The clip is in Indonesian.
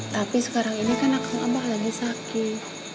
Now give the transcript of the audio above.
tapi sekarang ini kan aku abah lagi sakit